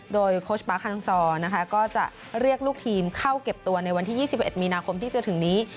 โดยโค้ชปาร์คฮังซอร์นะคะก็จะเรียกลูกทีมเข้าเก็บตัวในวันที่๒๑มีนาคมที่จะถึงนี้